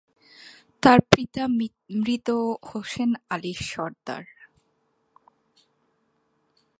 তার পিতা মৃত হোসেন আলী সরদার।